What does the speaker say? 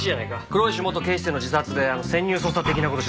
黒石元警視正の自殺で潜入捜査的な事してたあれだよ。